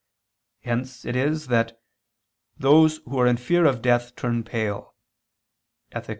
Hence it is that "those who are in fear of death turn pale" (Ethic.